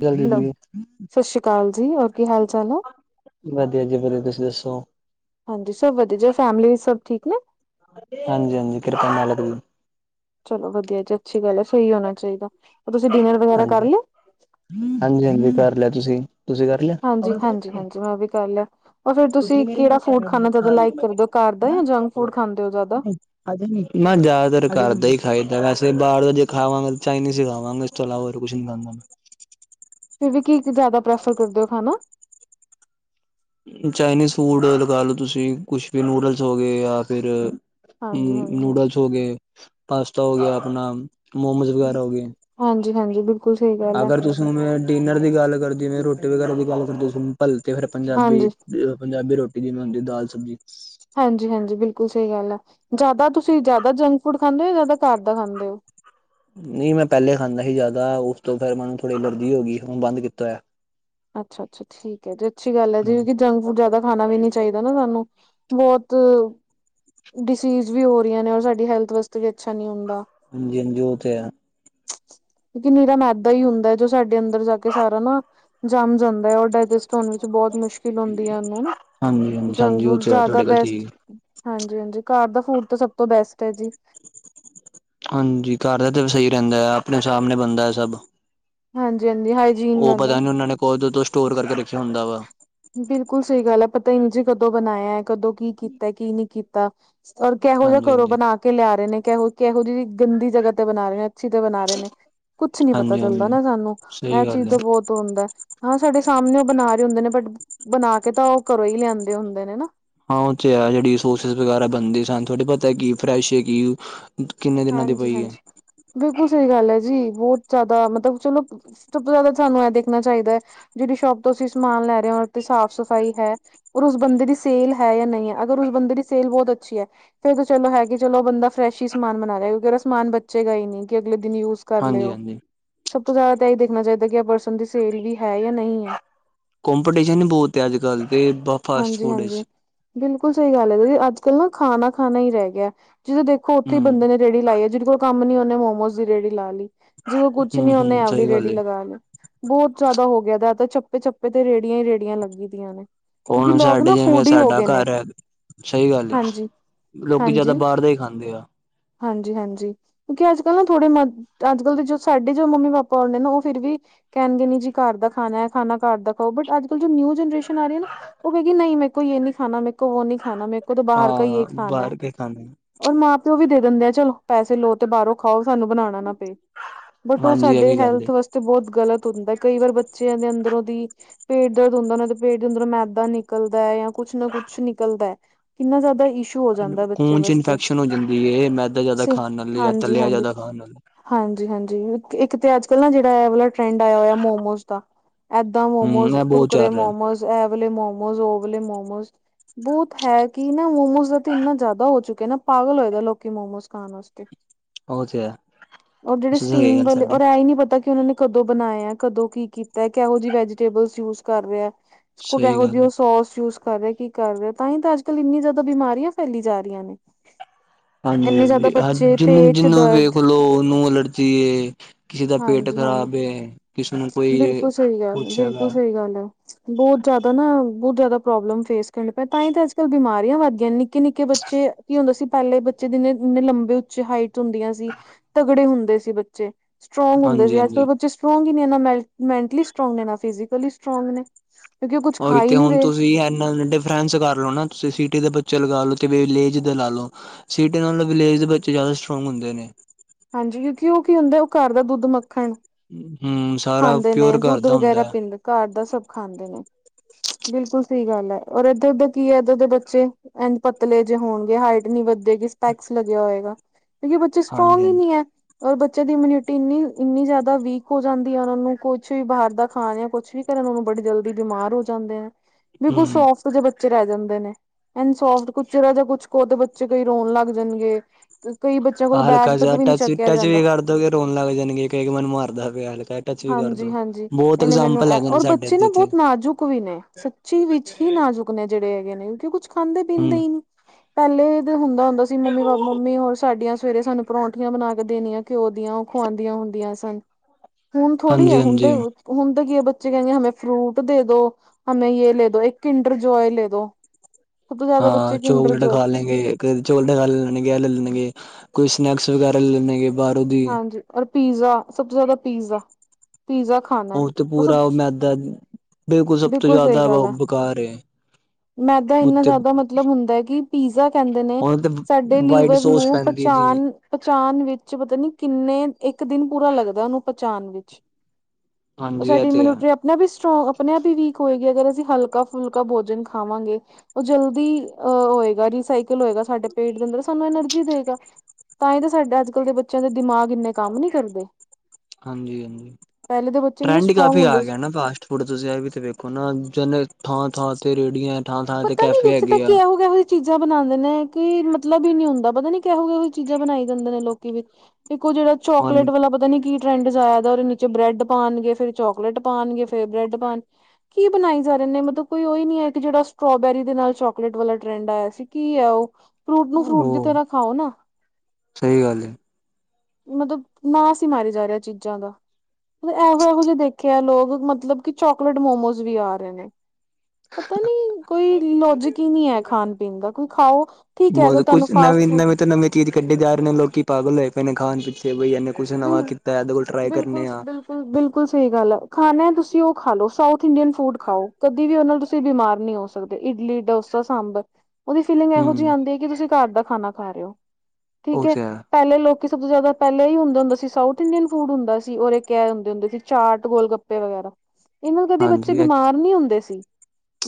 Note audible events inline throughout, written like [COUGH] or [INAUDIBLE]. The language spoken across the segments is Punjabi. ਜਲਦੀ ਹੈਲੋ, ਦੀ ਸਤਿ ਸ੍ਰੀ ਅਕਾਲ ਜੀ, ਹੋਰ ਕੀ ਹਾਲ ਚਾਲ ਹੈ? ਵਧੀਆ ਜੀ, ਹੋਰ ਤੁਸੀਂ ਦੱਸੋ? ਹਾਂਜੀ ਸਭ ਵਧੀਆ, ਫੈਮਿਲੀ ਵੀ ਸਭ ਠੀਕ ਨੇ? ਹਾਂਜੀ ਹਾਂਜੀ, ਕਿਰਪਾ ਮਾਲਕ ਦੀ। ਚਲੋ ਵਧੀਆ ਜੀ, ਅੱਛੀ ਗੱਲ ਹੈ, ਸਹੀ ਹੋਣਾ ਚਾਹੀਦਾ। ਤੁਸੀਂ ਡਿਨਰ ਵਗੈਰਾ ਕਰ ਹਾਂਜੀ ਲਿਆ? ਹਾਂਜੀ ਹਾਂਜੀ, ਕਰ ਲਿਆ, ਤੁਸੀਂ? ਤੁਸੀਂ ਕਰ ਲਿਆ ਹਾਂਜੀ ਹਾਂਜੀ, ਹਾਂਜੀ, ਮੈਂ ਵੀ ਕਰ ਲਿਆ। ਫਿਰ ਤੁਸੀਂ, ਕਿਹੜਾ ਫੂਡ ਖਾਣਾ ਜ਼ਿਆਦਾ ਲਾਈਕ ਕਰਦੇ ਹੋ ਘਰ ਦਾ, ਜਾਂ ਜੰਕ ਫੂਡ ਖਾਂਦੇ ਹੋ ਜ਼ਿਆਦਾ? ਮੈਂ ਜਿਆਦਾਤਰ ਕਰ ਦਾ ਹੀ ਖਾਈਦਾ, ਵੈਸੇ ਬਾਹਰ ਖਾਵਾਂਗੇ, ਚਾਈਨੀਜ਼ ਹੀ ਖਾਵਾਂਗੇ। ਇਸ ਤੋ ਇਲਾਵਾ, ਹੋਰ ਕੁਛ ਨੀ ਖਾਦਾਂ। ਫਿਰ ਵੀ, ਕੀ ਜ਼ਿਆਦਾ ਪ੍ਰੈਫਰ ਕਰਦੇ ਹੋ ਖਾਣਾ? ਚਾਈਨੀਜ਼ ਫੂਡ ਲਗਾ ਲਓ ਤੁਸੀਂ, ਕੁਛ ਵੀ ਨੂਡਲਸ ਹੋ ਗਏ ਜਾਂ ਫਿਰ ਹਮ ਹਾਂਜੀ ਹਾਂਜੀ ਨੂਡਲਸ ਹੋ ਗਏ, ਪਾਸਤਾ ਹੋ ਗਿਆ ਆਪਣਾ, ਮੋਮੋਜ਼ ਵਗੈਰਾ ਹੋ ਗਏ। ਹਾਂਜੀ ਹਾਂਜੀ, ਬਿਲਕੁ ਅਗਰ ਤੁਸੀ ਡਿਨਰ ਦੀ ਗੱਲ ਕਰਦੀ, ਜਿਵੇਂ ਰੋਟੀ ਵਗੈਰਾ ਦੀ ਗੱਲ ਕਰਦੀ ਤੁੂੰ ਭਲਤੇ ਫੇਿਰ ਪੰਜਾਬੀ, ਹਾਂਜੀ ਪੰਜਾਬੀ ਰੋਟੀ ਜਿਵੇਂ ਹੁੰਦੀ ਦਾਲ ਸਬਜ਼ੀ ਹਾਂਜੀ ਹਾਂਜੀ, ਬਿਲਕੁਲ ਸਹੀ ਗੱਲ ਆ। ਜ਼ਿਆਦਾ ਤੁਸੀਂ ਜ਼ਿਆਦਾ, ਜੰਕ ਫੂਡ ਖਾਂਦੇ ਹੋ ਜਾਂ ਜ਼ਿਆਦਾ ਘਰ ਦਾ ਖਾਂਦੇ ਹੋ? ਨਹੀਂ ਮੈਂ ਪਹਿਲੇ ਖਾਂਦਾ ਸੀ ਜ਼ਿਆਦਾ, ਉਸ ਤੋਂ ਫੇਰ ਮੈਨੂੰ ਥੋੜ੍ਹੀ ਐਲਰਜੀ ਹੋ ਗਈ, ਹੁਣ ਬੰਦ ਕੀਤਾ ਹੋਇਆ। ਅੱਛਾ- ਅੱਛਾ ਠੀਕ ਹੈ, ਜੀ ਅਛੀ ਗੱਲ ਹੈ ਜੀ, ਜੰਕ ਫੂਡ ਜ਼ਿਆਦਾ ਖਾਣਾ ਵੀ ਨੀ ਚਾਹੀਦਾ ਨਾ ਸਾਨੂੰ, ਬਹੁਤ ਡਿਸੀਜ਼ ਵੀ ਹੋ ਰਹੀਆਂ ਨੇ, ਸਾਡੀ ਹੈਲਥ ਵਾਸਤੇ ਵੀ ਅੱਛਾ ਨਹੀਂ ਹੁੰਦਾ। ਹਾਂਜੀ ਹਾਂਜੀ, ਉਹ ਤੇ ਆ। ਕਿਉਂਕਿ ਨੀਰਾ ਮੈਦਾ ਹੀ ਹੁੰਦਾ ਹੈ, ਜੋ ਸਾਡੇ ਅੰਦਰ ਜਾ ਕੇ ਸਾਰਾ ਨਾ ਜਮ ਜਾਂਦਾ ਹੈ, ਔਰ ਡਾਇਜੈਸਟ ਹੋਣ ਵਿੱਚ ਬਹੁਤ ਮੁਸ਼ ਮੁਸ਼ਕਿਲ ਹੁੰਦੀ ਏ ਓਨੂੰ ਨਾ ਹਾਂਜੀ ਹਾਂਜੀ ਜੰਕ ਹਾਂਜੀ ਉਹ ਫੂਡ ਤੇ ਹੈ ਜਾਦਾ ਤੁਹਾਡੇ ਗੱਲ ਬੈਸਟ ਠੀਕ ਹਾਂਜੀ ਹਾਂਜੀ ਘਰ ਦਾ ਫੂਡ ਤੇ ਸਬ ਤੋਂ ਬੈਸਟ ਐ ਜੀ। ਹਾਂਜੀ ਘਰ ਦਾ ਤਾ ਸਹੀ ਰੇਂਦਾ ਏ ਅਪਨੇ ਸਾਮਨੇ ਬੰਦਾ ਏ ਸਬ। ਹਾਂਜੀ ਹਾਂਜੀ ਹਾਈ ਓ ਪਤਾ ਨੀ ਓਨਾਂ ਨੇ ਕਦੋ ਤੋਂ ਸਟੋਰ ਕਰਕੇ ਰੱਖਆ ਹੁੰਦਾ ਵਾ। ਬਿਲਕੁਲ ਸਹੀ ਗੱਲ ਐ ਪਤਾ ਈ ਜੀ ਕਦੋਂ ਬਨਾਯਾ ਕਦੋ ਕੀ ਕੀਤਾ ਕੀ ਨੀ ਕੀਤਾ। ਔਰ ਕੇਹੋ ਜਾ ਹਾਂਜੀ ਘਰੋਂ ਹਾਂਜੀ ਬਨਾ ਕੇ ਲਯਾ ਰਹੇ ਨੇ ਕੇਹੋ ਕੇਹੋ ਦੀ ਗੰਦੀ ਜਗਾ ਤੇ ਬਨਾ ਰਹੇ ਨੇ। ਅੱਛੀ ਤੇ ਬਨਾ ਰੇ ਨੇ ਕੁਛ ਨੀ ਪਤਾ ਹਾਂਜੀ ਚੱਲਦਾ ਹਾਂਜੀ ਨਾ ਸਾਨੂੰ ਸਹੀ ਏਹ ਗੱਲ ਚੀਜ਼ ਹੈ ਦਾ ਬੋਤ ਤੋ ਹੁੰਦਾ ਹਾਂ ਸਾਡੇ ਸਾਮਨੇ ਓ ਬਨਾ ਰਹੇ ਹੁੰਦੇ ਨੇ ਬਟ ਬਨਾ ਕੇ ਤੇ ਓ ਘਰੋਂ ਈ ਲਿਆਂਦੇ ਹੁੰਦੇ ਨੇ ਨਾ। ਹਾਂ ਓ ਤੇ ਜੇੜੀ ਸੋਸਿਸ ਵਗੈਰਾ ਬਨਦੀ ਸਾਨੂੰ ਥੋੜੀ ਪਤਾ ਕੀ ਫਰੈਸ਼ ਏ ਕੀ ਕਿੰਨੇ ਦਿਨਾਂ ਦੀ ਹਾਂਜੀ ਪਈ ਹੈ। ਹਾਂਜੀ ਬਿਲਕੁਲ ਸਹੀ ਗੱਲ ਏ ਜੀ ਬੋਤ ਜਾਦਾ ਮਤਲਬ ਚਲੋ ਸਬ ਤੋ ਪੇਲਾ ਤਾ ਸਾਨੂੰ ਏਹ ਦੇਖਨਾ ਚਾਈਦਾ ਜੇੜੀ ਸ਼ੋਪ ਤੋਂ ਅਸੀ ਸਮਾਨ ਲੈ ਰਹੇ ਆ ਓਹਦੇ ਤੇ ਸਾਫ਼ ਸਫ਼ਾਈ ਹੈ। ਔਰ ਉਸ ਬੰਦੇ ਦੀ ਸੇਲ ਹੈ ਯਾ ਨਹੀ ਏ ਅਗਰ ਉਸ ਬੰਦੇ ਦੀ ਸੇਲ ਬੋਤ ਅੱਛੀ ਐ ਫੇਰ ਤਾਂ ਚਲੋ ਹੈ ਕੀ ਚਲੋ ਬੰਦਾ ਫਰੈਸ਼ ਈ ਸਮਾਨ ਨਾਲੇ ਸਮਾਨ ਬਚੇਗਾ ਈ ਨੀ ਕੀ ਅਗਲੇ ਦਿਨ ਯੂਜ਼ ਕਰ ਲੇ ਹਾਂਜੀ ਓ। ਹਾਂਜੀ ਸਬ ਤੋ ਜਾਦਾ ਤਾ ਏਹੀ ਦੇਖਨਾ ਚਾਈਦਾ ਕਿ ਏਹ ਪਰਸਨ ਦੀ ਸੇਲ ਵੀ ਹੈ ਯਾ ਨਹੀਂ ਹੈ। ਕੋਮਪੀਟੀਸ਼ਨ ਹੀ ਬੋਤ ਏ ਅੱਜ ਕੱਲ ਦੇ ਬ ਫਾਸਟ ਹਾਂਜੀ ਫੂਡ ਹਾਂਜੀ ਵਿੱਚ। ਬਿਲਕੁਲ ਸਹੀ ਗੱਲ ਏ ਜੀ ਅੱਜ ਕੱਲ ਨਾ ਖਾਨਾ ਖਾਨਾ ਹੀ ਰੇ ਗਆ ਜਿੱਦੋਂ ਦੇਖੋ ਓਥੇ ਹੀ ਹਮ ਬੰਦੇ ਨੇ ਰੇੜੀ ਲਾਈਏ ਜੀਦੇ ਕੋਲ ਕੰਮੀ ਓਨੇ ਮੋਮੋਜ਼ ਦੀ ਰੇੜੀ ਲਾ ਲੀ ਜੀਦੇ ਕੁਛ ਹਮ ਨੀ ਏ ਓਨੇ ਹਮ ਸਹੀ ਆਵਦੀ ਗੱਲ ਰੇੜੀ ਏ ਲਗਾ ਲੀ। ਬੋਤ ਜਾਦਾ ਹੋ ਗਿਆ ਦਾ ਏ ਚੱਪੇ ਚੱਪੇ ਤੇ ਰੇੜੀਆਂ ਈ ਰੇੜੀਆਂ ਲੱਗੀ ਦੀਆ ਨੇ। ਕਿਉਂਕਿ ਹੋਨ ਲੋਕ ਸਾਡੇ ਨਾ ਜਿਵੇਂ ਫੂਡੀ ਹੋ ਸਾਡਾ ਗਏ ਨੇ ਘਰ ਏ ਸਹੀ ਗੱਲ ਐ। ਹਾਂਜੀ ਲੋਕੀ ਜਾਦਾ ਹਾਂਜੀ ਬਾਰ ਦਾ ਈ ਖਾਂਦੇ ਆ। ਹਾਂਜੀ ਹਾਂਜੀ। ਕਉਕਿ ਅੱਜ ਕੱਲ ਨਾ ਥੋੜੇ ਮ ਅੱਜ ਕੱਲ ਜੋ ਸਾਡੇ ਜੋ ਮੰਮੀ ਪਾਪਾ ਨੇ ਨਾ ਓ ਫਿਰ ਵੀ ਕੇਂਗੇ ਨੀ ਜੀ ਘਰ ਦਾ ਖਾਨਾ ਏ ਖਾਨਾ ਘਰ ਦਾ ਖਾਓ ਬਟ ਅੱਜ ਕੱਲ ਜੋ ਨਿਊ ਜਨਰੇਸ਼ਨ [UNINTELLIGIBLE] ਓ ਕੇ ਗੀ ਨੀ ਮੇ ਕੋ ਯੇ ਨੀ ਖਾਨਾ ਮੇਕੋ ਵੋ ਨੀ ਖਾਨਾ ਮੈ ਕੋ ਤੋ ਬਾਹਾਰ ਕਾ ਯੇ ਹਾਂ ਖਾਨਾ ਐ ਬਾਹਰ ਕੇ ਖਾਂਦੇ ਔਰ ਮਾਂ ਪਿਓ ਵੀ ਦੇ ਦਿੰਦੇ ਆ ਚਲੋ ਪੈਸੇ ਲੋ ਤੇ ਬਾਰੋਂ ਖਾਓ ਸਾਨੂੰ ਬਣਾਣਾ ਨਾ ਪਏ ਬਟ ਓ ਹਾਂਜੀ ਇਹ ਸਾਡੇ ਵੀ ਗੱਲ ਹੈਲਥ ਏ ਵਸਤ ਤੇ ਬੋਤ ਗਲਤ ਹੁੰਦਾ ਕਈ ਵਾਰ ਬੱਚਿਆਂ ਦੇ ਅੰਦਰੋ ਦੀ ਪੇਟ ਦਰਦ ਹੁੰਦਾ ਓਨਾਂ ਤੇ ਪੇਟ ਦੇ ਅੰਦਰੋ ਮੈਦਾ ਨਿਕਲਦਾ ਏ ਯਾ ਕੁੱਛ ਨਾ ਕੁੱਛ ਨਿਕਲਦਾ ਐ। ਕਿੰਨਾ ਜਾਦਾ ਇਸ਼ੂ ਖੂਨ ਚ ਵਾਸਤੇ ਇਨਫੈਕਸ਼ਨ ਹੋ ਜਾਂਦੀ ਏ ਮੈਦਾ ਜਿਆਦਾ ਖਾਨ ਨਾਲ ਯਾ ਹਾਂਜੀ ਤਲਆ ਹਾਂਜੀ ਜਾਦਾ ਖਾਨ ਨਾਲ। ਹਾਂਜੀ ਹਾਂਜੀ ਇੱਕ ਤੇ ਅੱਜ ਕੱਲ ਨਾ ਜੇੜਾ ਏਹ ਵਾਲਾ ਟਰੈਂਡ ਆਯਾ ਹੋਆ ਮੋਮੋਜ਼ ਦਾ ਏਦਾ ਹਮ ਮੋਮੋਸ ਇਹ ਬਹੁਤ ਕੁਰਕਰੇ ਚੱਲ ਰਿਹਾ ਮੋਮੋਜ਼। ਐ ਵਲੇ ਮੋਮੋਸ ਓ ਵਲੇ ਮੋਮੋਜ਼ ਬੋਤ ਹੈ। ਕੀ ਨਾ ਮੋਮੋਸ ਦਾ ਤੇ ਇੰਨਾ ਜਾਦਾ ਹੋ ਚੁੱਕਆ ਨਾ ਪਾਗਲ ਹੋਏ ਦੇ ਲੋਕੀ ਮੋਮੋਸ ਖਾਨ ਵਸਤੇ। ਉਹ ਤੇ ਹੈ ਓ ਜੇੜੇ ਸਹੀ ਸਟੀਮ ਗੱਲ ਵਲੇ ਸਾਡੀ ਔਰ ਐ ਈ ਨੀ ਪਤਾ ਕੀ ਓਨਾ ਨੇ ਕਦੋ ਬਨਾਏ ਆ ਕਦੋ ਕੀ ਕੀਤਾ ਏ ਕੇਹੋ ਜੀ ਵੈਜੀਟੇਬਲਸ ਯੂਜ਼ ਕਰ ਰਿਆ ਐ। ਕੋ ਸਹੀ ਕੇਹੋ ਜੀ ਗੱਲ ਓ ਹੈ। ਸੋਸ ਯੂਜ਼ ਕਰ ਰਿਆ ਕੀ ਕਰ ਰਿਆ ਤਾ ਹੀ ਤਾ ਅੱਜ ਕਲ ਇੰਨੀ ਜਾਦਾ ਬਿਮਾਰੀਆ ਫੈਲੀ ਜਾ ਰਿਆ ਨੇ। ਹਾਂਜੀ ਇੰਨੇ ਹਾਂਜੀ ਜ਼ਿਆਦਾ ਬੱਚੇ ਜਿਨੂੰ ਪੇਟ ਚ ਜਿਨੂੰ ਦਰਦ ਵੇਖ ਲੋ ਓਨੂੰ ਐਲਰਜੀ ਏ। ਕਿਸੇ ਦਾ ਪੇਟ ਹਾਂਜੀ ਹਾਂਜੀ ਖਰਾਬ ਏ ਕਿਸੇ ਨੂੰ ਕੋਈ ਏ ਕੁਛ ਹੈਗਾ। ਬੋਤ ਜਾਦਾ ਨਾ ਬੋਤ ਜਾਦਾ ਪ੍ਰੋਬਲਮ ਫੇਸ ਕਰਨੀ ਪਏ ਤਾਂਹੀ ਤੇ ਅੱਜ ਕੱਲ ਬਿਮਾਰੀਆਂ ਵੱਧ ਗਿਆ ਨੇਿੱਕੇ ਨਿੱਕੇ ਬੱਚੇ ਕੀ ਹੁੰਦਾ ਸੀ ਪੇਲੇ ਬੱਚੇ ਜਿਨੇ ਇੰਨੇ ਲੰਬੇ ਉੱਚੇ ਹਾਈਟ ਹੁੰਦੀਆਂ ਸੀ ਤਗੜੇ ਹੁੰਦੇ ਸੀ ਬੱਚ ਬੱਚੇ ਸਟਰੋਂਗ ਹੁੰਦੇ ਹਾਂਜੀ ਸੀ ਅੱਜ ਕਲ ਹਾਂਜੀ ਬੱਚੇ ਸਟਰੋਂਗ ਈ ਨੇ ਏ ਨੇ ਮੈਂ ਮੈਂਟਰੋਂਗ ਨੇ ਨਾ ਫਿਜੀਕਲੀ ਸਟਰੋਂਗ ਨੇ। ਕਿਉਂਕਿ ਉਹ ਕੁੱਝ ਉਹੀ ਖਾ ਤੇ ਹੀ ਨਹੀਂ ਹੁਣ ਰਹੇ ਤੁਸੀ, ਇੰਨਾ ਨਡੇ ਫਰੈਂਸ ਕਰਲੋ ਨਾ ਤੁਸੀਂ, ਸਿਟੀ ਦੇ ਬੱਚੇ ਲਗਾਲੋ ਤੇ ਵਿਲੇਜ ਦੇ ਲਾਲੋ। ਸਿਟੀ ਨਾਲੋ ਤੇ ਵਿਲੇਜ ਦੇ ਬੱਚੇ, ਜ਼ਿਆਦਾ ਸਟਰੋਂਗ ਹੁੰਦੇ ਨੇ। ਹਾਂਜੀ, ਕਿਉਂਕਿ ਉਹ ਕੀ ਹੁੰਦਾ ਉਹ ਘਰ ਦਾ ਦੁੱਧ, ਮੱਖਣ ਹੂੰ ਖਾਂਦੇ ਨੇ, ਦੁੱਧ ਵਗੈਰਾ ਪੀਂਦੇ, ਘਰ ਦਾ ਸਭ ਖਾਂਦੇ ਨੇ। ਬਿਲਕੁਲ ਸਹੀ ਗੱਲ ਐ, ਔਰ ਇਧਰ ਦੇ ਕੀ ਐ, ਏਧਰ ਦੇ ਬੱਚੇ ਐਂਜ ਪਤਲੇ ਜੇ ਹੋਣਗੇ, ਹਾਈਟ ਨੀ ਵੱਧੇਗੀ ਸਪੈਕਸ ਲੱਗਿਆ ਹੋਏਗਾ। ਕਿਉਂਕਿ ਬੱਚੇ ਹਾਂਜੀ ਸਟਰੋਂਗ ਹੀ ਨੀ ਹਾਂਜੀ ਐ, ਔਰ ਬੱਚੇ ਦੀ ਇਮਿਊਨਿਟੀ ਇੰਨੀ, ਇੰਨੀ ਜ਼ਿਆਦਾ ਵੀਕ ਹੋ ਜਾਂਦੀ ਆ ਉਹਨਾਂ ਨੂੰ, ਕੁਛ ਵੀ ਬਾਹਰ ਦਾ ਖਾਣ ਯਾ ਕੁਛ ਵੀ ਕਰਨ ਉਹ ਨੂੰ ਬੜੀ ਜਲਦੀ ਬਿਮਾਰ ਹੋ ਜਾਂਦੇ ਆ। ਬਿਲਕੁਲ ਹਮ ਸੌਫ ਜੇ ਬੱਚੇ ਰਹਿ ਜਾਂਦੇ ਨੇ, ਸੋਫਟ ਕੁਚ ਜਰਾ ਜਾ ਕੁਛ ਕੋ ਤੇ ਬੱਚੇ ਕਈ ਰੋਣ ਲੱਗ ਜਾਣਗੇ। ਕਈ ਬੱਚਿਆਂ ਕੋਲ ਬੈਗ ਹਲਕਾ ਤੱਕ ਜਿਹਾ ਵੀ ਨੀਂ ਟੱਚ ਚੱਕਿਆ ਟੱਚ ਜਾਂਦਾ। [INAUDIBLE] ਰੋਣ ਲੱਗ ਜਾਣਗੇ ਕਹਿਗੇ ਮੈਨੂੰ ਮਾਰਦਾ ਪਿਆ, ਹਲੇ ਕਹਿ ਹਾਂਜੀ-ਹਾਂਜੀ, ਇਹਨੇ ਮੈਨੂੰ ਐ, ਨੇ ਔਰ ਸਾਡੇ ਬੱਚੇ ਨਾ ਇੱਥੇ ਤੇ ਬਹੁਤ ਨਾਜੁਕ ਵੀ ਨੇ, ਸੱ ਚੀ ਵਿੱਚ ਹੀ ਨਾਜੁਕ ਨੇ ਜਿਹੜੇ ਹੈਗੇ ਨੇ, ਕਿਉਂਕਿ ਕੁਛ ਖਾਂਦੇ-ਪੀਂਦੇ ਹਮ ਹੀ ਨੀਂ। ਪਹਿਲੇ ਤੇ ਹੁੰਦਾ ਹੁੰਦਾ ਸੀ, ਮੰਮੀ ਬਾ, ਮੰਮੀ ਔਰ ਸਾਡੀਆਂ ਸਵੇਰੇ ਸਾਨੂੰ ਪਰੌਂਠੀਆਂ ਬਣਾਕੇ ਦੇਣੀਆਂ ਘਿਓ ਦੀਆਂ, ਉਹ ਖੁਵਾਉਂਦੀਆਂ ਹੁੰਦੀਆਂ ਸਨ, ਹੁਣ ਥੋੜੀ ਹੈ ਹਾਂਜੀ ਹੁਣ ਤੇ ਹਾਂਜੀ ਹੁਣ ਤਾਂ ਕੀ ਹੈ ਬੱਚੇ [INAUDIBLE] ਸਭ ਤੋਂ ਜ਼ਿਆਦਾ ਹਾਂ, ਬੱਚੇ ਕਿੰਡਰ ਚੋਕਲੇਟ ਜੋਏ ਖਾ ਲੇ [UNINTELLIGIBLE] ਚੋਲਡ ਵਗੇਰਾ ਲੈਲਣੇ ਗੇ, ਆ ਲੈਲਣ ਗੇ, ਕੋਈ ਸਨੈਕਸ ਵਗੈਰਾ ਲੈਲਣਗੇ। ਹਾਂਜੀ, ਔਰ ਪੀਜ਼ਾ, ਸਭ ਤੋਂ ਜ਼ਿਆਦਾ ਪੀਜ਼ਾ। ਓਹ ਤੇ ਪੂਰਾ ਮੈਦਾ, ਬਿਲਕੁਲ ਸਭ ਤੋਂ ਸਹੀ ਜ਼ਿਆਦਾ ਗੱਲ ਹੈ ਬ-ਬ-ਬਕਾਰ ਏ। ਮੈਦਾ ਇੰਨਾ ਉਤੇ ਜ਼ਿਆਦਾ ਮਤਲਬ ਹੁੰਦਾ ਹੈ, ਕਿ ਪੀਜ਼ਾ ਕਹਿੰਦੇ ਨੇ, ਉਹਨ ਤੇ ਸਾਡੇ ਵਾਈਟ ਲੀਵਰ ਸੋਸ ਨੂੰ ਪੈਂਦੀ ਹੈ ਜਿਵੇਂ ਪਚਾਨ ਪਚਾਨ ਵਿੱਚ ਪਤਾ ਨੀ ਕਿੰਨੇ, ਇੱਕ ਦਿਨ ਪੂਰਾ ਲੱਗਦਾ ਉਹਨੂੰ ਪਚਾਨ ਵਿੱਚ। ਉਹ ਹਾਂਜੀ ਇਹ ਸਾਡੀ ਤੇ ਹੈ ਇਮਿਨਿਊਟਰੀ ਅੱਪ ਮੈਂ ਵੀ ਸਟਰੋਂਗ ਆਪਣੇ-ਆਪ ਈ ਵੀਕ ਹੋਏਗੀ, ਅਗਰ ਅਸੀ ਹਲਕਾ-ਫੁਲਕਾ ਭੋਜਨ ਖਾਵਾਂਗੇ। ਉਹ ਜਲਦੀ ਅਹ ਹੋਏਗਾ ਰੀਸਾਈਕਲ ਹੋਏਗਾ, ਸਾਡੇ ਪੇਟ ਦੇ ਅੰਦਰ ਸਾਨੂੰ ਐਨਰਜੀ ਦੇਗਾ। ਤਾਂ ਹੀ ਤਾਂ ਸਾਡੇ ਅੱਜ-ਕੱਲ ਦੇ ਬੱਚਿਆਂ ਦੇ ਦਿਮਾਗ ਇੰਨੇ ਕੰਮ ਨੀਂ ਕਰਦੇ। ਹਾਂਜੀ-ਹਾਂਜੀ, ਪਹਿਲੇ ਦੇ ਬੱਚੇ ਇੰਨੇ ਟਰੈਂਡ ਸਟਰੋਂਗ ਕਾਫੀ ਹੁੰਦੇ ਸੀ ਆਗਿਆ ਨਾ [UNINTELLIGIBLE] ਥੋੜਾ ਤੁਸੀਂ ਐ ਵੀ ਤੇ ਵੇਖੋ ਨਾ, ਜਨੇ ਥਾਂ-ਥਾਂ ਤੇ ਰੇਹੜੀਆਂ ਥਾਂ ਥਾਂ ਤੇ ਪਤਾ ਨੀ ਕੈਫੇ ਵਿੱਚ ਤਾਂ ਹੈਗੇ ਆ ਕਿ ਹੋਗਿਆ ਹੋਈ ਚੀਜ਼ਾਂ ਬਣਾਂਦੇ ਨੇ, ਕਿ ਮਤਲਬ ਹੀ ਨੀ ਹੁੰਦਾ ਪਤਾ ਨੀ ਕਿਹੋ-ਕਿਹੋ ਚੀਜ਼ਾਂ ਬਣਾਈ ਜਾਂਦੇ ਨੇ ਲੋਕੀ ਵੀ। ਇੱਕ ਉਹ ਜਿਹੜਾ ਹੁਣ ਚੋਕਲੇਟ ਵਾਲਾ, ਪਤਾ ਨੀ ਕੀ? ਟਰੈਂਡ ਜਾ ਆਇਆ ਦਾ, ਉਹਦੇ ਨੀਚੇ ਬ੍ਰੈਡ ਪਾਣਗੇ, ਫੇਰ ਚੋਕਲੇਟ ਪਾਣਗੇ, ਫੇਰ ਬਰੈਡ ਪਾਣ ਕੀ ਬਣਾਈ ਜਾ ਰਹੇ ਨੇ, ਮਤਲਬ ਕੋਈ ਓਹੀ ਨੀ ਹੈ ਕਿ ਜਿਹੜਾ ਸਟ੍ਰੋਬੇਰੀ ਦੇ ਨਾਲ ਚੋਕਲੇਟ ਵਾਲਾ ਟਰੈਂਡ ਆਇਆ ਸੀ, ਕੀ ਹੈ ਉਹ? ਫਰੂਟ ਨੂੰ ਫਰੂਟ ਦੀ ਉਹ ਤਰ੍ਹਾਂ ਖਾਓ ਨਾ। ਸਹੀ ਗੱਲ ਏ। ਮਤਲਬ, ਨਾਸ ਹੀ ਮਾਰੀ ਜਾ ਰਿਆ ਚੀਜ਼ਾ ਦਾ। ਐਹੋ-ਐਹੋ ਜਿਹੇ ਦੇਖੇ ਆ ਲੋਕ, ਮਤਲਬ ਕਿ ਚੋਕਲੇਟ ਮੋਮੋਜ਼ ਵੀ ਆ ਰਹੇ ਨੇ। ਪਤਾ ਨੀ, ਕੋਈ ਲੌਜਿਕ ਹੀ ਨਹੀ ਐ, ਖਾਣ-ਪੀਣ ਦਾ ਕੋਈ ਖਾਓ। ਠੀਕ ਹੈ ਅਗਰ ਮਤਲਬ, ਤੁਹਾਨੂੰ ਕੁਛ ਫਾਸਟ ਨਵੇ, ਫੂਡ ਨਵੇ ਤੋਂ ਨਵੇਂ ਚੀਜ਼ ਕੱਢੀ ਜਾ ਰਹੇ ਨੇ ਲੋਕੀ ਪਾਗਲ ਹੋਏ ਪਏ ਨੇ ਖਾਣ ਪਿੱਛੇ, ਬਈ ਇਹਨੇ ਕੁਛ ਬਿਲ ਨਵਾਂ ਕੀਤਾ ਇਹਦੇ ਕੋਲ ਟ੍ਰਾਈ ਬਿਲਕੁਲ ਕਰਨੇ ਆ। ਬਿਲਕੁਲ ਬਿਲਕੁਲ ਸਹੀ ਗੱਲ ਆ, ਖਾਣਾ ਐ ਤੁਸੀਂ ਉਹ ਖਾਲੋ ਸਾਊਥ ਇੰਡੀਅਨ ਫੂਡ ਖਾਓ, ਕਦੀ ਵੀ ਉਹ ਨਾਲ ਤੁਸੀਂ ਬਿਮਾਰ ਨ ਹੋ ਸ ਸਕਦੇ ਇਡਲੀ, ਡੋਸਾ, ਸਾਂਬਰ ਉਹਦੀ ਫੀਲਿੰਗ ਹੂੰ ਇਹੋ ਜਿਹੀ ਆਉਂਦੀ ਹੈ ਕਿ ਤੁਸੀਂ ਘਰ ਦਾ ਖਾਣਾ ਖਾ ਰਹੇ ਹੋ, ਠੀਕ ਉਹ ਹੈ। ਤੇ ਪਹਿਲੇ ਲੋਕ ਕੀ ਸਭ ਤੋਂ ਜ਼ਿਆਦਾ ਪਹਿਲਾਂ ਹੀ ਹੁੰਦ ਹੁੰਦਾ ਸੀ ਸਾਊਥ ਇੰਡੀਅਨ ਫੂਡ ਹੁੰਦਾ ਸੀ। ਔਰ ਇੱਕ ਇਹ ਹੁੰਦੇ ਹੁੰਦੇ ਸੀ। ਚਾਟ, ਗੋਲ -ਗੱਪੇ ਵਗੈਰਾ ਇਹ ਨਾਲ ਕਦੀ ਬੱਚੇ ਹਾਂਜੀ ਬਿਮਾਰ ਨਹੀਂ ਹੁੰਦੇ ਸੀ।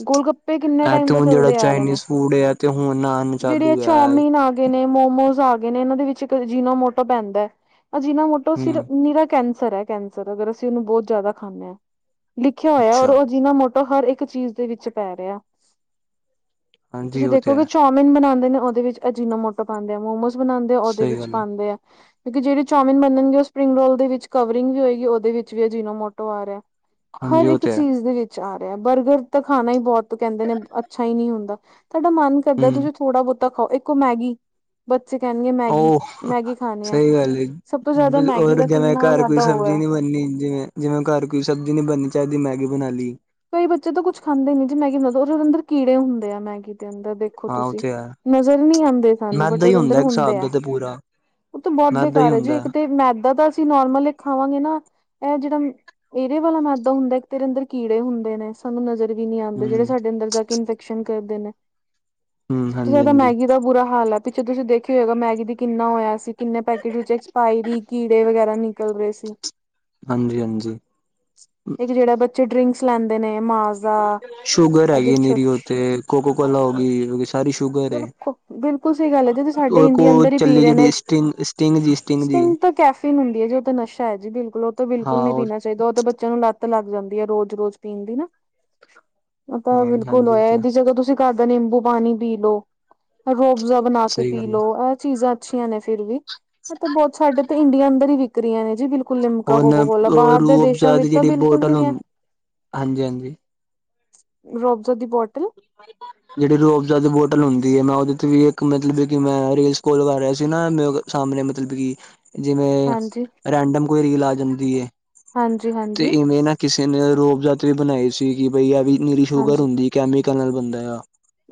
ਗੋਲ -ਗੱਪੇ ਕਿੰਨੇ ਇਹ ਟਾਈਮ ਤੇ ਤੋਂ ਹੁਣ ਜਿਹੜਾ ਚਲਦੇ ਆ ਰਹੇ ਨੇ, ਚਾਈਨੀਜ਼ ਫੂਡ ਹੈ ਤੇ ਹੁਣ ਆਣ ਜਿਹੜੀ ਆ ਚਾਲੂ ਹੈ ਚਾਉਮੀਅਨ ਆ ਗੇ ਨੇ, ਮੋਮੋਸ ਆ ਗਏ ਨੇ ਇਹਨਾਂ ਦੇ ਵਿੱਚ ਇੱਕ ਅਜੀ਼ਨੋ ਮੋਟੋ ਪੈਂਦੈ ਅਜੀ਼ਨਾ ਮੋਟੋ ਸੀਰ ਹੂੰ ਨੀਰਾ ਕੈਂਸਰ ਹੈ, ਕੈਂਸਰ ਅਗਰ ਅਸੀਂ ਇਹਨੂੰ ਬਹੁਤ ਜ਼ਿਆਦਾ ਖਾਂਦੇ ਹਾਂ। ਲਿਖਿਆ ਹੋਇਆ ਔਰ ਅੱਛਾ ਆਜੀ਼ਨਾ ਮੋਟੋ ਹਰ ਇੱਕ ਚੀਜ਼ ਦੇ ਵਿੱਚ ਪੈ ਰਿਹਾ। ਹਾਂਜੀ ਤੁਸੀਂ ਉਹ ਤੇ ਦੇਖੋਗੇ ਹੈ ਚਾਊਮਿਨ ਬਣਾਉਂਦੇ ਨੇ ਉਹਦੇ ਵਿੱਚ ਅਜੀਨਾ ਮੋਟੋ ਪਾੰਦੇ ਆ ਮੋਮੋਸ ਬਣਾਉਦੇ ਆ ਉਹਦੇ ਸਹੀ ਵਿੱਚ ਗੱਲ ਹੈ ਪਾਉਂਦੇ ਆ ਕਿਉਂਕਿ ਜਿਹੜੇ ਚਾਊਮਿਨ ਬਣਨਣਗੇ ਉਹ ਸਪਰਿੰਗ ਰੋਲ ਦੇ ਵਿੱਚ ਕਵਰਿੰਗ ਵੀ ਹੋਏਗੀ ਉਹਦੇ ਵਿੱਚ ਵੀ ਅਜੀਨੋਮੋਟੋ ਆ ਰਿਆ। ਹਰ ਹਾਂਜੀ ਉਹ ਇੱਕ ਤੇ ਹੈ ਚੀਜ਼ ਦੇ ਵਿੱ ਚ ਆ ਰਿਹਾ ਬਰਗਰ ਤਾਂ ਖਾਣਾ ਹੀ ਬਹੁਤ ਕਹਿੰਦੇ ਨੇ ਅੱਛਾ ਹੀ ਨਹੀਂ ਹੁੰਦਾ ਤੁਹਾਡਾ ਮਨ ਕਰਦਾ ਹੂੰ ਤੁਸੀਂ ਥੋੜਾ ਬੋਹੁਤਾ ਖਾਓ ਇੱਕ ਔ ਮੈਗੀ ਬੱਚੇ ਕਹਿਣਗੇ ਮੈਗੀ, ਉਹ ਮੈਗੀ ਖਾਣੀ ਐ [UNINTELLIGIBLE] ਸਭ ਤੋਂ ਜ਼ਿਆਦਾ ਮੈਗੀ ਦਾ ਕਿੰਨਾ ਜ਼ਿਆਦਾ ਔਹ ਹੈ ਬਨੀ ਜਿਵੇਂ, ਜਿਵੇਂ ਘਰ ਕੋਈ ਸਬਜ਼ੀ ਨਹੀਂ ਬਣਨੀ ਚਾਹੀਦੀ ਮੈਗੀ ਬਣਾ ਲੀ ਕਈ ਬੱਚੇ ਤਾਂ ਕੁੱਝ ਖਾਂਦੇ ਨੀ ਜੀ ਮੈਗੀ ਉਹ ਅੰਦਰ ਕੀੜੇ ਹੁੰਦੇ ਆ ਮੈਗੀ ਦੇ ਅੰਦਰ ਦੇਖ ਦੇਖੋ ਹਾਂ ਉਹ ਤੁਸੀਂ ਤੇ ਹੈ ਨਜ਼ਰ ਨਹੀਂ ਆੰਦੇ ਸਾਨੂੰ ਬਟ ਮੈਦਾ ਹੀ ਉਹਦੇ ਅੰਦਰ ਹੁੰਦਾ ਇੱਕ ਹੁੰਦੇ ਹਿਸਾਬ ਆ। ਦਾ ਤੇ ਪੂਰਾ ਉਹ ਤਾਂ ਬਹੁਤ ਮੈਦਾ ਹੀ ਬੇਕਾਰ ਹੈ ਜੀ ਹੁੰਦਾ ਇੱਕ ਤੇ ਮੈਦਾ ਤਾਂ ਅਸੀਂ ਨੋਰਮਲ ਖਾਵਾਂਗੇ ਨਾ ਇਹ ਜਿਹੜਾ ਏਰੇ ਵਾਲਾ ਮੈਦਾ ਹੁੰਦਾ ਇੱਕ ਤੇਰੇ ਅੰਦਰ ਕੀੜ ਕਿੜੇ ਹੁੰਦੇ ਨੇ ਸਾਨੂੰ ਨਜ਼ਰ ਵੀ ਨੀ ਆਉਂਦੇ, ਜਿਹੜੇ ਹੂੰ ਸਾਡੇ ਅੰਦਰ ਜਾ ਕੇ ਇਨਫੈਕਸ਼ਨ ਕਰਦੇ ਨੇ। ਹੂੰ ਸਭ ਤੋਂ ਹਾਂਜੀ ਜ਼ਿਆਦਾ ਹਾਂਜੀ ਮੈਗੀ ਦਾ ਬੁਰਾ ਹਾਲ ਏ। ਪਿੱਛੇ ਤੁਸੀਂ ਦੇਖਿਆ ਹੋਏਗਾ, ਮੈਗੀ ਦੀ ਕਿੰਨਾ ਹੋਇਆ ਸੀ ਕਿੰਨੇ ਪੈਕੇਟ ਵਿੱਚ ਐਕਸਪਾਇਰੀ ਕੀੜੇ ਵਗੈਰਾ ਨਿਕਲ ਰਹੇ ਸੀ। ਹਾਂਜੀ ਹਾਂਜੀ ਇੱਕ ਜਿਹੜਾ ਬੱਚੇ ਡਰਿੰਕਸ ਲੈਂਦੇ ਨੇ ਮਾਜਾ ਸ਼ੂਗਰ ਹੈਗੀ ਨੀਰੀ ਔਹ ਤੇ, ਕੋਕੋ ਕੋਲਾ ਹੋ ਗਈ ਸਾਰੀ ਸ਼ੂਗਰ ਏ। ਚਲੋ ਬਿਲਕੁਲ ਸਹੀ ਗੱਲ ਹੈ ਜਦ ਸਾਡੇ ਉਹ ਕੋ ਇੰਡੀਆ ਅੰਦਰ ਹੀ ਪੀ ਚੱਲੀ ਜਿਹੜੀ ਸਟਿੰਗ, ਸਟਿੰਗ ਜੀ, ਸਟਿੰਗ ਜੀ। ਕੈਫੇਨ ਹੁੰਦੀ ਹੈ, ਜੇ ਓਹ ਤੇ ਨਸ਼ਾ ਹੈ ਜੀ ਬਿਲਕੁਲ ਉਹ ਤਾਂ ਹਾਂ ਉਹ ਬਿਲਕੁਲੀਣਾ ਚਾਹੀਦਾ ਓਹ ਤੇ ਬੱਚਿਆਂ ਨੂੰ ਲੱਤ ਲੱਗ ਜਾਂਦੀ ਹੈ, ਰੋਜ਼, ਰੋਜ਼ ਪੀਣ ਦੀ ਨਾ ਉਹ ਤਾਂ ਹਾਂ ਬਿਲਕੁਲ ਹਾਂਜੀ ਉਹ ਹੋਇਆ ਇਹ ਤਾਂ ਜਗਾ ਤੁਸੀਂ ਘਰ ਦਾ ਨਿੰਬੂ ਪਾਣੀ ਪੀ ਲੋਓ, ਰੋਬਜ਼ਾ ਬਣਾ ਕੇ ਸਹੀ ਪੀ ਗੱਲ ਹੈ ਲੋਓ ਇਹ ਚੀਜ਼ਾਂ ਅੱਛੀਆਂ ਨੇ ਫਿਰ ਵੀ ਮਤਲਬ ਬਹੁਤ ਸਾਡੇ ਤੇ ਇੰਡੀਆ ਅੰਦਰ ਹੀ ਵਿਕਰੀਆਂ ਨੇ ਜੀ ਬਿਲਕੁਲ ਲਿਮਕਾ, ਹੁਣ ਕੋਕਾ ਕੋਲ ਬਾਹਰ ਦੇਸ਼ਾਂ ਰੂਹਅਫਜ਼ਾ ਵਿੱਚ ਦੀ ਤਾਂ ਜਿਹੜੀ ਬਿਲਕੁਲ ਵੀ ਬੋਟਲ ਨੀ ਹੈ। ਹੁੰਦੀ ਹਾਂਜੀ, ਹਾਂਜੀ। ਰੋਬਜ਼ਾ ਦੀ ਬੋਟਲ ਪਾਣੀ ਪਾ ਜਿਹੜੀ ਰੋਬਜ਼ਾ ਦੀ ਬੋਟਲ ਹੁੰਦੀ ਹੈ ਮੈਂ ਉਹਦੇ ਤੇ ਵੀ ਇੱਕ ਮਤਲਬ ਕਿ ਮੈਂ ਰੇਲਸ ਕੋਲਗਾ ਰਿਹਾ ਸੀ ਨਾ ਮ ਸਾਹਮਣੇ ਮਤਲਬ ਕਿ ਜਿਵੇਂ ਹਾਂਜੀ ਰੈਂਡਮ ਕੋਈ ਰੀਲ ਆ ਜਾਂਦੀ ਏ ਹਾਂਜੀ, ਹਾਂਜੀ। ਤੇ ਇਵੇਂ ਨਾ ਕਿਸੇ ਨੇ ਰੋਬਜਾ਼ ਤੇ ਵੀ ਬਣਾਈ ਸੀ ਕਿ ਬਈ ਆ ਵੀ ਨੀਰੀ ਸ਼ੂਗਰ ਹਾਂਜੀ ਹੁੰਦੀ ਕੈਮੀਕਲ ਨਾਲ ਬੰਦਾ ਆ,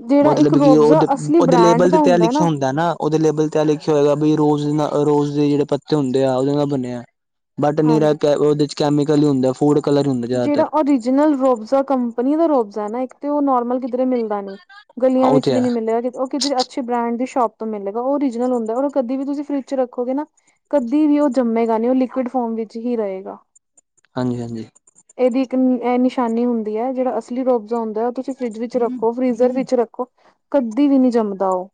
ਜਿਹੜਾ ਇੱਕ ਮਤਲਬ ਕਿ ਰੋਬਜ਼ਾ ਔਹਤੇ ਅਸਲੀ ਔਹਦੇ ਬ੍ਰਾਂਡ ਲੇਬਲ ਦਾ ਤੇ ਤੇ ਐ ਲਿਖਿਆ ਹੁੰਦਾ ਨਾ ਉਹਦੇ ਲੇਬਲ ਤੇ ਆ ਲਿਖਿਆ ਹੋਏਗਾ ਬਈ ਰੋਜ਼ ਨਾਲ ਰੋਜ਼ ਦੇ ਜਿਹੜੇ ਪੱਤੇ ਹੁੰਦੇ ਆ ਉਹਦੇ ਨਾਲ ਬਣਯੈ। ਬਟ ਨੀਰਾ ਹਾਂਜੀ ਕੈ ਉਹਦੇ ਚ ਕੈਮੀਕਲ ਹੀ ਹੁੰਦੈ ਫੂਡ ਕਲਰ ਹੀ ਹੁੰਦਾ ਜਿਹੜਾ ਜ਼ਿਆਦਾਤਰ ਔਰੀਜਨਲ ਰੋਬਜ਼ਾ ਕੰਪਨੀ ਦਾ ਰੋਬਜ਼ਾ ਨਾ ਇੱਕ ਤੇ ਉਹ ਨੋਰਮਲ ਕਿਧਰੇ ਮਿਲਦਾ ਨਹੀਂ। ਗਲੀਆਂ ਉਹ ਵਿੱਚ ਤੇ ਵੀ ਹੈ ਨੀ ਮਿਲਿਯਾ ਜੇ ਔ ਕਿਧਰੇ ਅਛ ਅੱਛੇ ਬ੍ਰਾਂਡ ਦੀ ਸ਼ੋਪ ਤੋ ਮਿਲੇਗਾ ਓਹ ਓਰੀਜਲ ਹੁੰਦਾ ਉਹਨੂੰ ਕਦੇ ਵੀ ਤੁਸੀ ਫਰਿਜ ਚ ਰੱਖੋਗੇ ਨਾ ਕਦੀ ਵੀ ਉਹ ਜੰਮੇਗਾ ਨੀ ਓਹ ਲਿਕੁਿਡ ਫੋਮ ਵਿੱਚ ਹੀ ਰਹੇਗਾ। ਹਾਂਜੀ-ਹਾਂਜੀ। ਇਹਦੀ ਇੱਕ ਐਹ ਨਿਸ਼ਾਨੀ ਹੁੰਦੀ ਐ ਜਿਹੜਾ ਅਸਲੀ ਰੋਬਜ਼ਾ ਹੁੰਦਾ ਓਹ ਤੁਸੀਂ ਫਰਿੱਜ ਵਿੱਚ ਰੱਖੋ ਫਰੀਜ਼ਰ ਵਿੱਚ ਰੱਖੋ ਕਦੀ ਵੀ ਨੀ ਜੰਮਦਾ ਓਹ।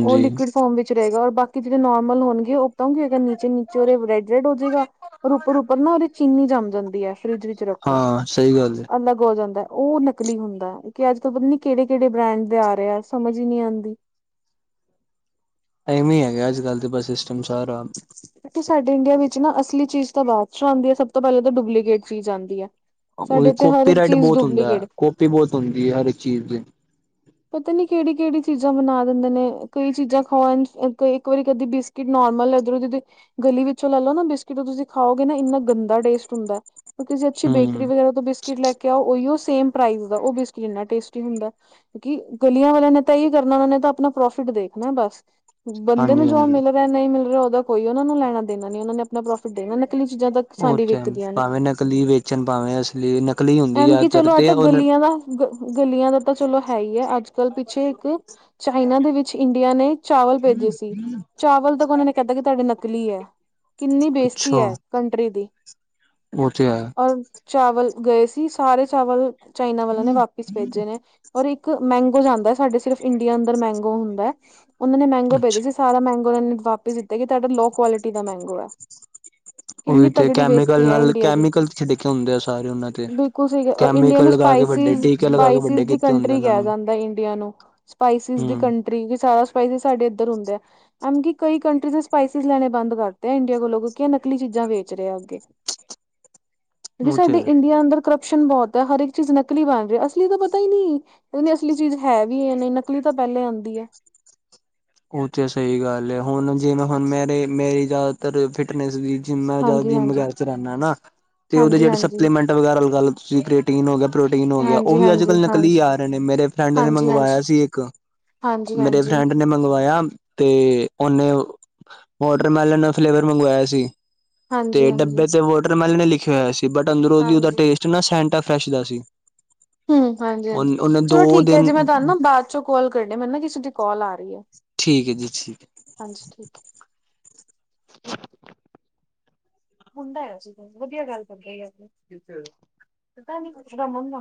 ਓਹ ਲਿਕੁਿਡ ਫੋਰਮ ਵਿਚ ਰਹੇਗਾ ਔਰ ਬਾਕੀ ਜਿਹੜੇ ਨੋਰਮਲ ਹੋਣਗੇ ਓਹ [UNINTELLIGIBLE] ਨੀਚੇ-ਨੀਚੇ ਰੈ ਡ ਹੋ ਜੇਗਾ ਉੱਪਰ-ਉੱਪਰ ਨਾ ਓਹਦੇ ਚੀਨੀ ਜੰਮ ਜਾਂਦੀ ਐ। ਫਰਿੱਜ ਵਿੱਚ ਰੱਖੋ ਹਾਂ ਸਹੀ ਗੱਲ ਹੈ ਅਲੱਗ ਹੋ ਜਾਂਦਾ ਓਹ ਨ ਨਕਲੀ ਹੁੰਦਾ ਅੱਜ-ਕਲ ਪਤਾ ਨੀ ਕਿਹੜੇ-ਕਿਹੜੇ ਬ੍ਰੈਂਡ ਦੇ ਆ ਰਹਾ ਆ ਸਮਝ ਹੀ ਨੀ ਆਂਦੀ। ਐਵੀ ਹੈਗਾ ਅੱਜ-ਕੱਲ ਤੇ ਬਸ ਸਿਸਟਮ ਸਾਰਾ। ਕਿਉਂਕਿ ਸਾਡੇ ਇੰਡੀਆ ਵਿੱਚ ਨਾ ਅਸਲੀ ਚੀਜ਼ ਤਾਂ ਬਾਅ ਚੋਂ ਆਂਦੀ ਐ ਸਭ ਤੋਂ ਪਹਿਲਾਂ ਤਾਂ ਡੁਪਲੀਗੇਟ ਚੀਜ਼ ਆਂਦੀ ਐ। ਓਹੀ ਕੋਪੀ ਰਾਈਡ ਬਹੁਤ ਹੁੰਦੈ ਕੋਪੀ ਬਹੁਤ ਹੁੰਦੀ ਐ ਹਰ ਇੱਕ ਚੀਜ਼ ਦੀ। ਪਤਾ ਨੀ ਕਿਹੜੀ-ਕਿਹੜੀ ਚੀਜ਼ਾਂ ਬਣਾ ਦਿੰਦੇ ਨੇ, ਕਈ ਚੀਜ਼ਾਂ ਖਾਣ ਅ ਤੇ ਇੱਕ ਵਾਰੀ ਕਦੀ ਬਿਸ ਬਿਸਕਿਟ ਨੋਰਮਲ ਏਧਰੋਂ ਕਿਤੇ ਗਲੀ ਵਿੱਚੋਂ ਲੈ ਲੋ ਨਾ ਬਿਸਕਿਟ ਤੁਸੀਂ ਖਾਓਗੇ ਨਾ ਐਨਾ ਗੰਦਾ ਟੇਸਟ ਹੁੰਦਾ। ਕਿਸੇ ਅੱਛੀ ਬੇਕਰੀ ਹਮ ਵਗੈਰਾ ਤੋਂ ਬਿਸ ਬਿਸਕਿਟ ਲੈ ਕੇ ਆਓ ਉਹੀਓ ਸੇਮ ਪ੍ਰਾਈਜ਼ ਦਾ ਉਹ ਬਿਸਕਿਟ ਐਨਾ ਟੇਸਟੀ ਹੁੰਦਾ। ਕਿਉਂਕਿ ਗਲੀਆਂ ਵਾਲਿਆਂ ਨੇ ਤਾਂ ਇਹੀ ਕਰਨਾ ਉਹਨਾਂ ਨੇ ਤਾਂ ਆਪਣਾ ਪ੍ਰੋਫਿਟ ਦੇਖਣਾ ਬਸ। ਬੰਦੇ ਨੂੰ ਹਾਂਜੀ ਜੋ ਹਾਂਜੀ ਮਿਲ ਲੈ ਨ‌ਈ ਮਿਲ ਰਿਹਾ ਉਹਦਾ ਕੋਈ ਉਹਨਾਂ ਨੂੰ ਲੈਣਾ ਦੇਣਾ ਨੀ ਉਹਨਾਂ ਨੇ ਆ ਆਪਣਾ ਪ੍ਰੋਫਿਟ ਦੇ ਨਾ ਨਕਲੀ ਚੀਜ਼ਾਂ ਤਾ ਉਹ ਸਾਡੀ ਤੇ ਹੈ ਵਿਕਦੀਆਂ ਨੇ। ਭਾਵੇਂ ਨਕਲੀ ਵੇਚਣ ਭਾਵੇਂ ਅਸਲੀ ਨਕਲੀ ਹੁੰਦੀ ਐਮੇ ਕਿ ਜ਼ਿਆਦਾਤਰ ਚਲੋ ਤੇ [UNINTELLIGIBLE] ਉਹ ਗਲੀਆਂ ਦਾ ਗ ਗਲੀਆਂ ਦਾ ਤਾਂ ਚਲੋ ਹੈ ਹੀ ਐ ਅੱਜ ਪਿਛੇ ਇੱਕ ਚਾਈਨਾ ਦੇ ਵਿੱਚ ਇੰਡੀਆ ਨੇ ਚਾਵਲ ਭੇਜੇ ਸੀ। ਚਾਵਲ ਤੱਕ ਉਹਨਾਂ ਨੇ ਕਹਿਤਾ ਕਿ ਤੁਹਾਡੇ ਨਕਲੀ ਐ ਕਿੰਨੀ ਬੇਜ਼ਤੀ ਐ ਕੰਟਰੀ ਦੀ। ਓਹ ਤੇ ਹੈ। ਔਰ ਚਾਵਲ ਗਏ ਸੀ, ਸਾਰੇ ਚਾਵਲ ਚਾਈਨਾ ਵਾਲਿਆਂ ਨੇ ਵਾਪਿਸ ਭੇਜੇ ਨੇ। ਔਰ ਇੱਕ ਮੈਂਗੋ ਜਾਂਦਾ ਸਾਡੇ ਸਿਰਫ਼ ਇੰਡੀਆ ਅੰਦਰ ਮੈਂਗੋ ਹੁੰਦਾ, ਉਨ੍ਹਾਂ ਨੇ ਮੈਂਗੋ ਭੇਜੇ ਅੱਛਾ ਸੀ। ਸਾਰਾ ਮੈਂਗੋ ਇਹਨਾਂ ਵਾਪਿਸ ਦਿੱਤੇ ਕਿ ਤਾਡਾ ਲੋਅ ਕੁਆਲਿਟੀ ਦਾ ਮੈਂਗੋ ਐ। ਕਿੰਨੀ ਉਹੀ ਤੇ ਤੱਗੜੀ ਕੈਮੀਕਲ ਬੇਜ਼ਤੀ ਐ ਨਾਲ ਇੰਡੀਆ ਦੀ। ਕੈਮੀਕਲ ਛਿੜਕੇ ਹੁੰਦੇ ਆ ਸਾਰੇ ਉਹਨਾਂ ਤੇ। ਬਿਲਕੁਲ ਸਹੀ ਔਰ ਇੰਡੀਆ ਕੈਮੀਕਲ ਨੂੰ ਲਗਾ ਕੇ ਵੱਡੇ ਸਪਾਈਸਸ ਟੀਕੇ ਲਗਾ ਕੇ ਸਪਾਈਸਸ ਵੱਡੇ ਦੀ ਕੀਤੇ ਹੁੰਦੇ ਕੰਟਰੀ ਇਹਨਾਂ ਕਿਹਾ ਨੂੰ ਜਾਂਦਾ ਇੰਡੀਆ ਨੂੰ ਸਪਾਈਸਸ ਦੀ ਹੂੰ ਕੰਟਰੀ, ਬੀ ਸਾਰਾ ਸਪਾਈਸਸ ਸਾਡੇ ਏਧਰ ਹੁੰਦਾ। ਐਮੇ ਕੀ ਕਈ ਕੰਟਰੀਜ ਨੇ ਸਪਾਈਸਸ ਲੈਣੇ ਬੰਦ ਕਰਤੇ ਆ ਇੰਡੀਆ ਕੋਲੋਂ ਕਿਉਂਕਿ ਇਹ ਨਕਲੀ ਚੀਜ਼ਾਂ ਵੇਚ ਰਹੇ ਆ ਅੱਗੇ। ਜੀ ਉਹ ਤੇ ਸਾਡੇ ਹੈ। ਇੰਡੀਆ ਅੰਦਰ ਕਰੰਪਸ਼ਨ ਬਹੁਤ ਐ ਹਰ ਇਕ ਚੀਜ਼ ਨਕਲੀ ਬਣ ਰਹੀ, ਅਸਲੀ ਤਾਂ ਪਤਾ ਈ ਨੀ। ਕਹਿੰਦੇ ਅਸਲੀ ਚੀਜ਼ ਹੈ ਵੀ ਯਾ ਨ‌ਈ, ਨਕਲੀ ਤਾਂ ਪਹਿਲੇ ਆਂਦੀ ਏ‌। ਓਹ ਤੇ ਸਹੀ ਗੱਲ ਏ, ਹੁਣ ਜਿਵੇਂ ਹੁਣ ਮੇਰੇ ਮੇਰੀ ਜਾ ਤਰ ਫਿਟਨੈਸ ਵੀ ਜਿੰਨਾ ਹਾਂਜੀ ਜ਼ਿਆਦੀ ਹਾਂਜੀ ਮੋਬਾਇਲ ਚਲਾਣਾ ਨਾ ਤੇ ਉਹਦੇ ਹਾਂਜੀ ਜਿਹੜੇ ਹਾਂਜੀ ਸਪਲੀਮੈਂਟ ਵਗੈਰਾ ਲਾ ਲ‌ਓ ਤੁਸੀਂ ਪ ਪ੍ਰੋਟੀਨ ਹੋ ਗਿਆ, ਪ੍ਰੋਟੀਨ ਹੋ ਗਿਆ ਉਹ ਹਾਂਜੀ ਵੀ ਹਾਂਜੀ ਅੱਜ-ਕੱਲ ਨਕਲੀ ਆ ਰਹੇ ਨੇ। ਮੇਰੇ ਫਰੈਂਡ ਨੇ ਮੰਗਵਾਇਆ ਸੀ ਇੱਕ। ਮੇਰੇ ਹਾਂਜੀ-ਹਾਂਜੀ। ਫਰੈਂਡ ਨੇ ਮੰਗਵਾਇਆ ਤੇ ਓਹਨੇ ਓ ਵੋਟਰਮੈਲਨ ਫਲੇਵਰ ਮੰਗਵਾਇਆ ਸੀ। ਹਾਂਜੀ ਤੇ ਹਾਂਜੀ ਡੱਬੇ ਤੇ ਵੋਟਰਮੈਲਨ ਹੀ ਲਿਖਿਆ ਹੋਇਆ ਸੀ ਬਟ ਅੰਦਰੋਂ ਦੀ ਉਹਦਾ ਹਾਂਜੀ ਟੇਸਟ ਨਾ ਸੈਂਟਾ-ਫਰੈਸ਼ ਦਾ ਸੀ। ਹੂੰ ਹਾਂਜੀ-ਹਾਂਜੀ ਉਹਨੇ ਚਲੋ ਦੋ ਠੀਕ ਐ ਦਿਨ ਜੀ। ਮੈਂ ਤੁਹਾਨੂੰ ਨਾ ਬਾਅ ਚੋਂ ਕਾਲ ਕਰਦੀ ਆ ਮੈਨੂੰ ਨਾ ਕਿਸੇ ਦੀ ਕਾਲ ਆ ਰਹੀ ਐ। ਠੀਕ ਐ ਜੀ ਠੀਕ। ਹਾਂਜੀ ਠੀਕੈ। [INAUDIBLE] ਮੁੰਡਾ ਆਇਆ ਸੀ ਕੋਈ, ਵਧੀਆ ਗੱਲ ਕਰਕੇ ਗਿਆ ਸੀ। ਕਿੱਥੇ? ਪਤਾ ਨਹੀ ਕਹਿੰਦਾ [INAUDIBLE]